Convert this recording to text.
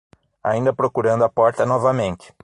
Ainda procurando a porta novamente